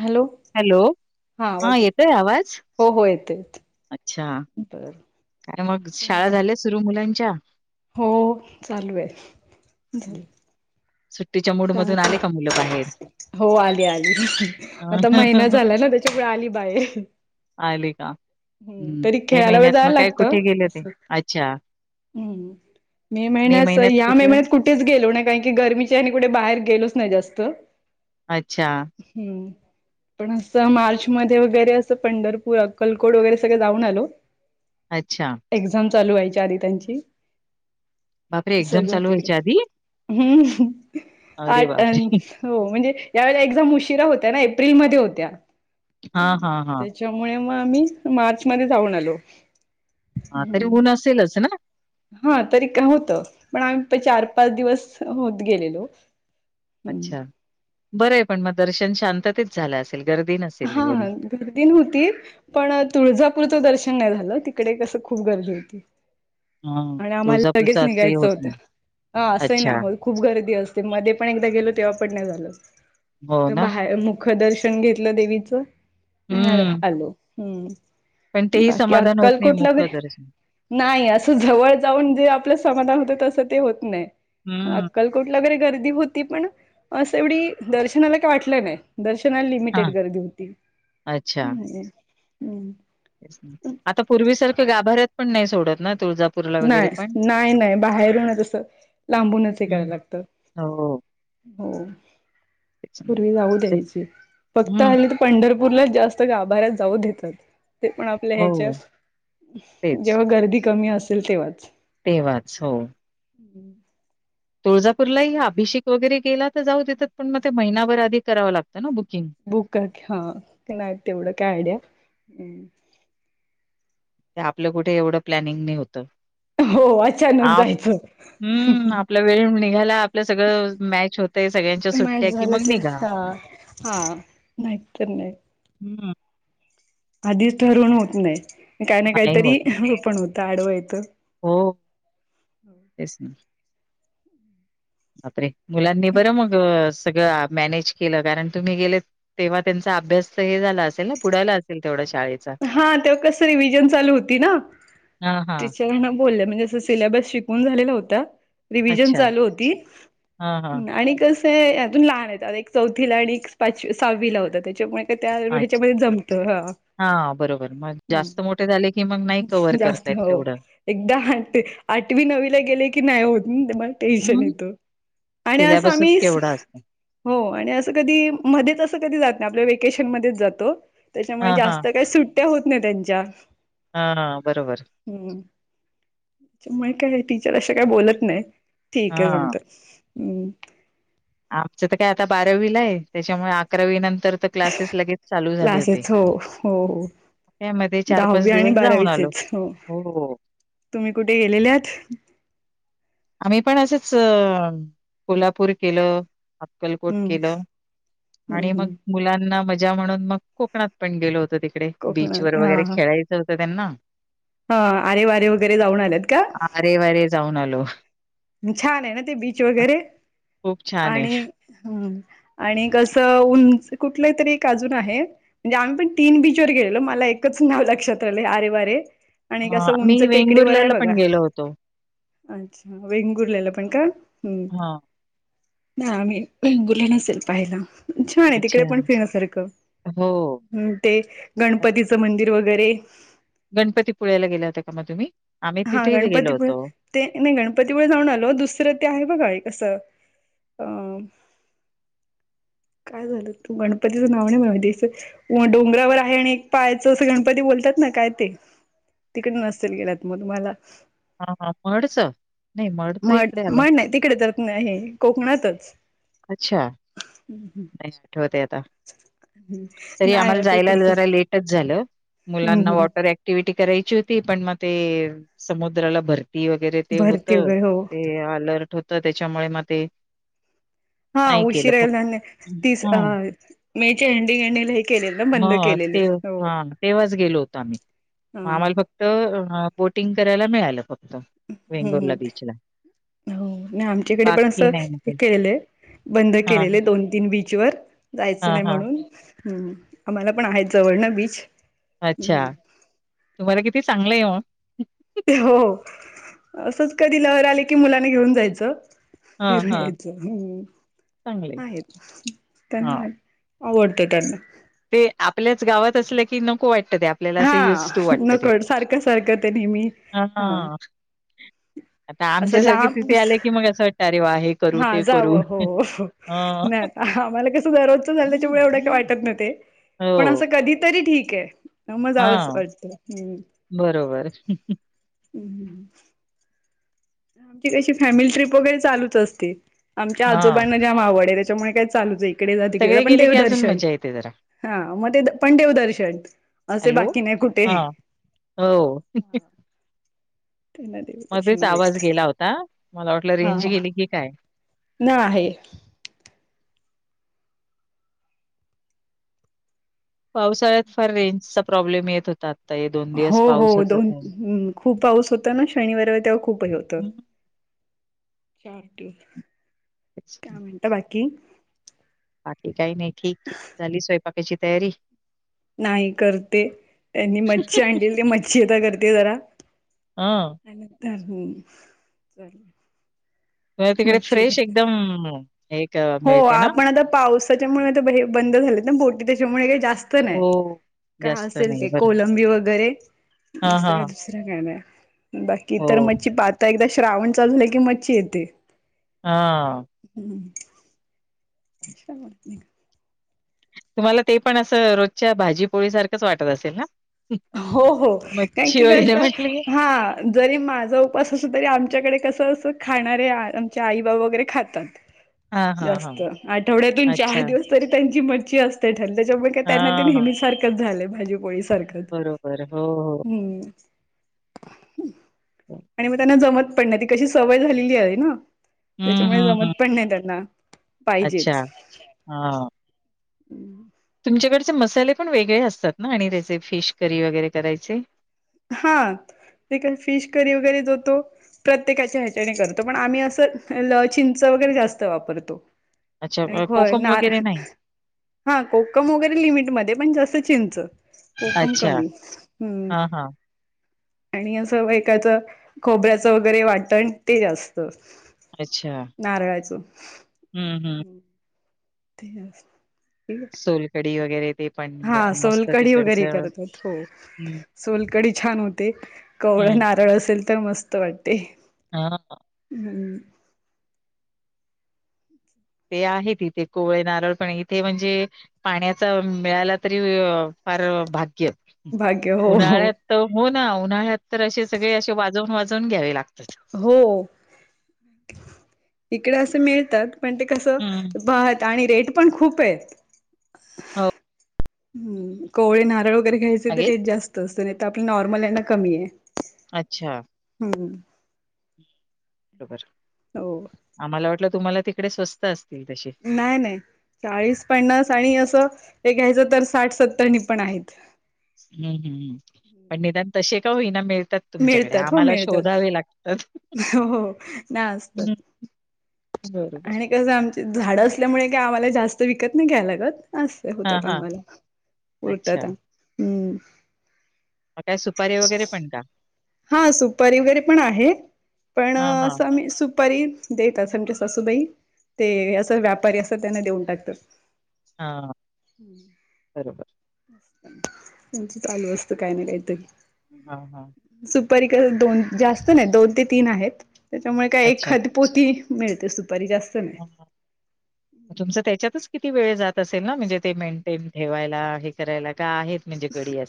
Hello hello आवाज हा येत येतोय आवाज? हो हो येतंय. अच्छा. बरं. काय मग शाळा झाल्या सुरू मुलांच्या? हो चालू आहे. सुट्टीच्या मूड मधून आले का मुलं बाहेर हो आली आली आता महिना झाला ना आली बाय. आले का हम्म में खेळायला वेळ महिन्यात मग जायला काय लागतं कुठे गेले ते असं अच्छा. हम्म मे महिन्यात या महिन्यात कुठ कुठेच गेलो ना काही की गरमीच्या आणि कुठे बाहेर गेलोच नाही जास्त. अच्छा हम्म. पण असं मार्च मध्ये वगैरे असं पंढरपूर कलकोट वगैरे सगळं जाऊन आलो. अच्छा. एक्झाम चालू व्हायच्या आधी त्यांची बापरे एक्झाम सगळं चालू तिकडे. व्हायच्या आधी हम् अरे आठवण. बापरे हो म्हणजे या वेळेला एक्झाम उशिरा होत्या ना एप्रिलमध्ये होत्या. हा हा हा त्याच्यामुळे मग आम्ही मार्च मध्ये जाऊन आलो. हा तरी हम्म. ऊन असेलच ना! हा तरी का होतं पण आम्ही चार पाच दिवस होत गेलेलो. हम्म. अच्छा बरं आहे पण मग दर्शन शांततच झालं असेल गर्दी नसेल. हा एवढी गर्दी नवती. पण तुळजापूरचं दर्शन नाही झालं तिकडे कसं खूप गर्दी होती. हा आणि आम्हाला लगेच तुळजापूरचं असंही निघायचं होत होतं नाही हा असं हाय ना अच्छा आपन. खूप गर्दी असते मध्ये पण एकदा गेलो तेव्हा पण नाही हो झाल ना बाहे मुख दर्शन घेत तल देवीचं. हम्म आलो हं. पण तेही बाकी समाधान होत नाही अक्कलकोटला वगैरे.. मुखदर्शन. नाही असं जवळ जाऊन जे आपलं समाधान होत तसं ते होत नाही. हम्म. अ कलकोटला वगैरे गर्दी होती पण असं एवढी दर्शनाला काय वाटलं नाही दर्शना केट हां, गर्दी होती. अच्छा. आता पूर्वीसारखं गाभऱ्यात पण नाही सोडत ना तुळजा नाही नाही नाही बाहेरून तस लांबूनच हे करायला हं. लागतं. हो, हो तेच ना. पूर्वी जाऊ म्हणजे द्यायची फक्त हं. आता पंढरपूरलाच जास्त गाभाऱ्यात जाऊ देतात. ते पण आपल्या हो, ह्याच्यात तेच. जेव्हा गर्दी कमी असेल तेव्हाच. तेव्हाच हो. रिकामा ऑडिओ तुळजापूरलाही अभिषेक वगैरेला तर जाऊ देतात पण मग ते महिनाभर आधी करावं लागतं ना बुकिंग. बुक करके हा नाई तेवढं काय आयडिया. आपलं कुठे एवढं प्लॅनिंग नाही होतं. हो अचानक जायचं हम्म आपला वेळ निघायला आपलं सगळं मॅच होत. ते सगळ्यांच्या. माहीत सुट्ट्या, की झालं मग कि निघा. हा हा नाही तर नाही. हम्. आधीच ठरवून होत नाही काही ना नाही काहीतरी होत. पण होतं आडवा येतं. हो तेच ना. अपरे मुलांनी बरं मग सगळं मॅनेज केलं कारण तुम्ही गेलेत... तेव्हा त्यांचा अभ्यास तर हे झाला असेल ना बुडाला असेल तेवढ्या शाळेत. हा तेव्हा कस रिव्हजन चालू होती ना हां, हां. टीचरांना बोललं मी तसं. रिव्हजन अच्छा. चालू हां, हां. ते यातून लहान येतात एक चौथीला आणि पाचवी सहावीला होतं त्याच्यामुळे त्या ह्याच्यामध्ये जमतं हा हा बरोबर मग हम्म जास्त मोठे झाले की मग नाही कवर्ह जास्त करतायेत हो तेवढं एकदा आठ आठवी नवीला गेले की नाही होत ते मला टेन्शन हं, येतं आणि असं सिलेबसच आम्ही केवढा असतो. हो आणि असं कधी मध्येच असं कधी जात नाही आपल्या वेकेशन मध्येच जातो त्याच्यामुळे हां, हां. जास्त काही सुट्ट्या होत नाही त्यांच्या हा बरोबर हम्म मग काय टीचर अशा काय बोलत नाही ठीक आहे हां. सगते हम्म आमचं तर काय आता बारावीला आहे त्याच्यामुळे अकरावी नंतर तर क्लासेस लगेच चालू झाले होते. क्लासेस हो हो हो त्यामध्ये दहावी आणि दिवस जाऊन आलो. बारावीचेच हो तुम्ही कुठे गेलेले आत आम्ही पण असंच कोल्हापूर केलं अक्कलकोट हम्म केलं हम्म आणि हम्म मग मुलांना मजा म्हणून मग कोकणात पण गेलो होत तिकडे बीच कोकणात व वगैरे खेळायचं होत त्यांना ह आरे वारे वगैरे जाऊन आलेत का अरे वरे जाऊन आलो छान आहे ना ते बीच वगैरे खूप छान आहे. आणि ह आणि कसं उंच कुठलं तरी काजून आहे म्हणजे आम्ही पण तीन बीचवर गेलेलो मला एकच नाव लक्षात राहिले अरे वरे अ, आणि कसं उंच आम्ही टेकडीवर आहे वेंगुर्ल्याला पण बघा गेलो होतो. अच्छा वेंगुरलेलं पण का हम् हां, नाही आम्ही बुरलं नसेल पाहायला छान आहे तिकडे अच्छा. पण फिण्यासारखं हो. ह ते गणपतीचं मंदिर वगैरे गणपतीपळ्याला गेला होता का मग तुम्ही आम्ही हा तिथेही गेलो गणपतीपुळे होतो ते नाही गणपतीमुळे जाऊन आलो दुसरं ते आहे बघा कसं काय झालं तू गणपतीचं नाव नाही मातीस डोंगरावर आहे आणि एक पायाचं असं गणपती बोलतात ना काय ते तिकडे नसेल गेलात मग तुम्हाला हा हा मडच नाही मडच म्हण इकडे आलं म्हण नाही तिकडे तर आहे कोकणातच अच्छा ह हं आठवते आता तरी नाही आम्हाला हो जायला तिकडच जरा लेट झा मुलांना हम्म वटर टिव्हटी करायची होती पण मग ते समुद्राला भर ती वगैरे ते होत भरती वगैरे हो ते अलर्ट होत त्याच्यामुळे मग ते हा नाही केलं उशीिरायल फक्त ने तीस अ हं. मे एंडिंग एंडिंग हे केलेलं ना बंद केलेले हो तम हां फक्त बोटिंग करायला मिळालं फक्त वेंगुर्ला हम्म बीच ला हो नाही आमच्याकडे पण असं नाही मग हे काही. केलेलंय बंद केलेलं हां, आहे दोन तीन बीच ब व जायचं हां, नाही हां. म्हणून आम्हाला पण आहेत जवळना बीच अच्छा तुम्हाला किती चांगलंय ये ते हो. असंच कधी लहर आली की मुलांना घेऊन जायचं. हां, फिरून हां यायचं. चांगलं आहे. हं, आहेत हां. चांगलय. आवडतं त्यांना. ते आपल्याच गावात असलं की नको वाटतं ते आपल्याला अस हा युज टू वाटत ते. नकळत सारखं सारखं ते नेहमी हा हां. आता असं आमच्यासारखे लांब तिथे आले, की मग असं वाटतं अरे वा हे करू हा ते करू. जावं हो हं. नाही आम्हाला कसं दररोजचं झाल त्याच्यामुळे एवढं काही वाटत नाही ते. पण असं हो. कधीतरी ठीक आहे. म जावस हां. वाटत. हं बरोबर. हं, आमची कशी फॅमिली ट्रीप वगैरे चालूच असते. आमच्या हां. आजोबांना जाम आवड आहे. त्याच्यामुळे काय चालूच आहे इकडे जा तिकडे जा. सगळे पण गेले देव की अजून दर्शन. मजा येते जरा. हा म ते द पण देवदर्शन असे हॅलो? बाकी नाही कुठे. हां. हो. त्यांना मध्येच देवदर्शन आवाज भेटतं गेला होता. मला वाटलं रेंज हा गेली की काय? ना आहे. पावसाळ्यात फार रेंजचा प्रॉब्लेम येत होतात. ता ये दोन हो हो दोन अं खूप पाऊस होतं ना शनिवार रविवार तेव्हा खूप हे होतं. [unintelligible] [unintelligible] अच्छा. काय म्हणता बाकी? बाकी काही नाही ठीक. झाली स्वयंपाकाची तयारी? नाही, करते. त्यांनी मच्छी आणलेली ते मच्छी आता करते जरा. अं? त्यानंतर हं, चाल म्हणजे तिकडे फ्रेश एकदम, एक हो आपण आता पावसाच्यामुळे ब हे बंद झाले ना बोटी त्याच्यामुळे काही जास्त नाही. हो. काय जास्त असेल नाही. ते. बरं. कोलंबी वगैरे, हां, जास्त काय हां. दुसरं काय नाय. बाकी इतर हो. मच्छी पात आता एकदा श्रावण चालू झाला की मच्छी येते. हं. हं. [unintelligible] तुम्हाला ते पण असं रोजच्या भाजीपोळी सारखंच वाटत असेल ना? हो हो कारण मच्छी की वगैरे कसं, म्हटली की हा. जरी माझा उपास असो तरी, आमच्याकडे कसं असं खाणारे आमचे आई बाबा वगैरे खाता [inaudible] हां. जास्त. आठवड्यातून चार अच्छा. दिवस तरी त्यांची मच्ची असते त्यानं त्याच्यामुळे का त्यांना ते हां. नेहमीसारखंच झाल. भाजी पोळी स बरोबर. हो हो. हं. हो. आणि म त्यांना जमत पण नाही. ती कशी सवय झालेली आहे ना. हं, त्याच्यामुळे हं, हं. जमत पण नाही त्यांना. अच्छा! पाहिजेच हं. हं. तुमच्याकडचे मसाले पण वेगळे असतात ना आणि त्याचे फिश करी वगैरे करायचे? हा. ते काय फिश करी वगैरे जो तो प्रत्येकाच्या ह्याच्याने करतो. पण आम्ही असं ल चिंच वगैरे जास्त वापरतो. अच्छा आणि अ, हो कोकम नार वगैरे नाही? हा कोकम वगैरे लिमिटमध्ये. पण जास्त चिंच. कोकम अच्छा. कमी. हं. हां, हां. आणि असं वर त्याचं खोबऱ्याचं वगैरे वाटण ते जास्त. अच्छा, नाराळाळच. हम्म हम्म. ते. सोलकडी वगैरे ते. पण हा अ, मस्त सोलकढी वगैरे तिकडचं करतात हो. हं, सोलकडी छान होते कवळ हं. नारळ असेल तर मस्त वाटते. हा. ह. ते आहेत तिथे कोळे नारळपणे इथे म्हणजे. पाण्याचा मिळाला तरी फार भाग्य भाग्य हो हो उन्हाळ्यात. तर हो ना उन्हाळ्यात तर असे सगळे असे वाजवून वाजवून घ्यावे लागतात. हो इकडे असं मिळतात. पण ते कसं हम्म बात आणि रेट पण खूप आहेत. हो. हम् कोवळे नारळ वगैरे घ्यायचे तर मागे रेट जास्त असत नाही तर आपला नॉर्मल यांना कमी आहे. अच्छा. हम्. श. हो. आम्हाला वाटलं तुम्हाला तिकडे स्वस्त असतील तसे. नाही नाही चाळीस पन्नास आणि असं एक घ्यायचं तर साठ सत्तर नि पण आहेत. हम् हम् पण निदान तसे का होईना मिळतात तुमच्याकडे मिळतात हो आम्हाला मिळतात शोधावे लागत. हो ना असतात. हर. आणि कसं आमची झाडं असल्यामुळे का आम्हाला जास्त विकत नाही घ्यायला लागत. अस हा होतात हा आम्हाला उरतात अच्छा आ हम्म. काय सुपारी वगैरे पण का. हा सुपारी वगैरे पण आहे पण हा हा असंम्ही सुपारी. देतं आमज सासूबाई ते असं व्यापारी असं त्यांना देऊन टाकतं. हा बरोबर हम्म. म्हणजे चालू असत काही नाही काहीतरी. हा ह. सुपारी दोन जास्त नाही दोन ते तीन आहेत त्याच्यामुळे काय एक अच्छा. खत. पोती मिळते सुपारी जास्त मिळ. ह. तुमचं त्याच्यातच किती वेळ जात असेल ना म्हणजे ते मेंटेन ठेवायला हे करायला का आहेत. म्हणी पिढीे.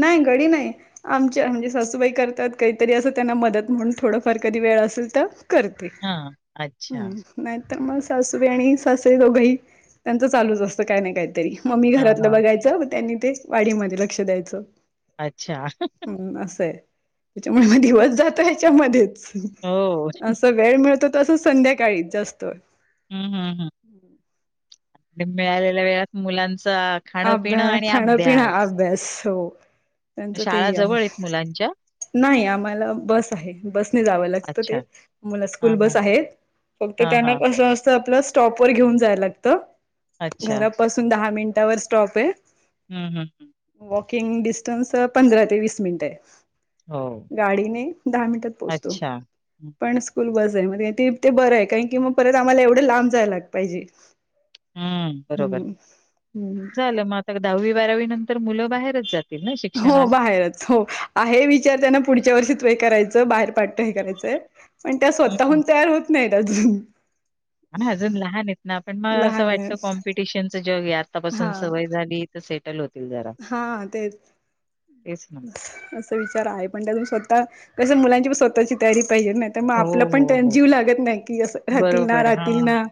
नाही घडी नाही. आमच्या म्हणजे सासूबाई करतात काहीतरी असं त्यांना मदत म्हणून थोडंफार कधी वेळ असेल तर. करते हां, अच्छा. हम्म. नाही तर मग सासूवी आणि सासई दोघंही त्यांचं चालूच असतं काय नाही काय. तरी मम्मी हां, घरातलं हां. बघायचं त्यांनी ते वाढमध्ये लक्ष द्यायचं. अच्छा. असंय त्याच्यामुळे म दिवस जातो याच्यामध्येच हो. अस. वेळ मिळतो तसंच संध्याकाळी जास्तो. हम् हम्म हम. मिळालेल्या वेळात मुलांचा. अभ्या खाणं-पिणं आणि खाणपिण अभ्यास हो त्यांचा शाळा तेही आहे. जवळ आहेत मुलांच्या? नाही आम्हाला बस आहे बसने जावं लागतं ते. अच्छा. मु स्कूल हां, हां. बस आहेत फक्त हां, त्यांना हां. कं असत आपलं स्टॉप वर घेऊन जाय लागत अच्छा. घरापासून दहा मिनिटावर स्टॉप आहे हम् हम् हं वॉकिंग डिस्टन्स पंधरा ते वीस मिनिट हो. आहे गाडीने दहा मिनिटात पोहोचतो अच्छा. हं, पण स्कूल बस आहे म ते बरं आहे कारण की मग परत आम्हाला एवढं लांब जायलाग पाहिजे हम्म बरोबर हम्म हम्म झालं म तरग दहावी बारावी नंतर मुलं बाहेरच जात हो बाहेरच हो आहे विचार त्यांना पुढच्या वर्षी तू हे करायचं बाहेर पाडत हे करायचंय पण त्या हं, हं. स्वतःहून तयार होत नाही ह अजून लहान आहेतेत ना आपण मला असं लहान वाटतं आहेत कॉम्पिटिशनचं जग आहे हा आतापासून सवय झाली सेटल होतील जरा तेच ना. अस विचार आहे पण त्या स्वतः कस मुलांची पण स्वतःची तयारी पाहिजे ना तर मग हो, आपलं पण हो, त्यां हो. जीव लागत नाही कि असं राहतील ना बरोबर. राहतील हां, ना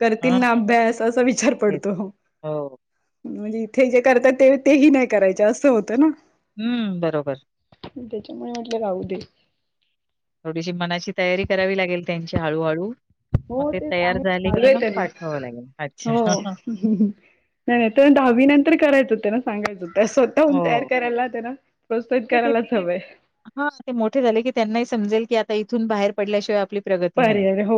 करतील हां, ना अभ्यास असा विचार तेच. पडतो हो म्हणजे इथे जे करतात ते तेही नाही करायच असं होतं ना हम्म बरोबर त्याच्यामुळे म्हटलं राह दे थोडीशी मनाची तयारी करावी लागेल त्यांची हळूहळू मग हो ते तेच तयार आहे झाले चालू कि आहे मग त्यांना पाठवावं लागेल हो अच्छा नाही नाही तर दहावी नंतर करायचं होतं ना सांगायचं होतं असं न तयार हो. करायला लाहते ना प्रस्तुहित करायलाच हवं हा ते मोठे झाले की त्यांनाही समजेल की आता इथून बाहेर पडल्याशिवाय आपली प्रगती नाही. परर [inaudible] हो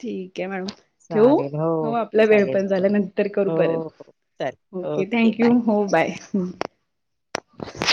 ठीक आहे मॅडम ठेव चालेल. हो आपला वेळ चालेल, पण झाला चालेल. नंतर करू परत हो, हो. चालेल. Okay thank bye. यू हो बाय